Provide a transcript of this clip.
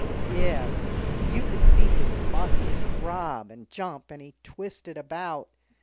"Yes. You could see his muscles throb and jump, and he twisted about.